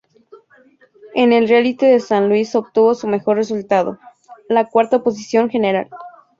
En el Rally de San Luis obtuvo su mejor resultado, la cuarta posición general.